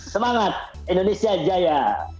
semangat indonesia jaya